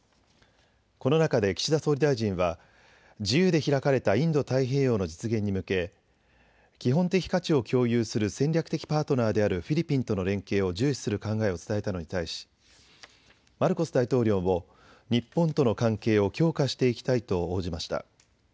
この中で岸田総理大臣は自由で開かれたインド太平洋の実現に向け基本的価値を共有する戦略的パートナーであるフィリピンとの連携を重視する考えを伝えたのに対しマルコス大統領も日本との関係を強化していきたいと応じました。